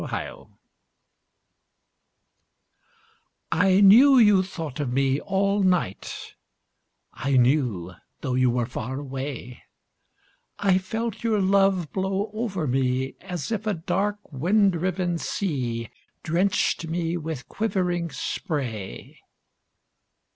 Spray I knew you thought of me all night, I knew, though you were far away; I felt your love blow over me As if a dark wind riven sea Drenched me with quivering spray.